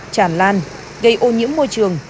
tràn lan gây ô nhiễm môi trường